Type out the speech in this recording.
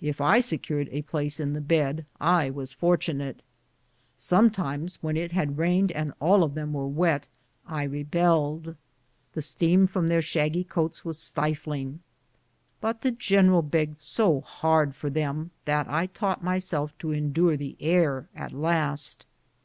If I secured a place in the bed I was fortunate. Sotnetimes, when it had rained, and all of them were wet, I rebelled. The steam from their shaggy coats was stifling; but the general begged so hard for them that I taught myself to endure the air at last.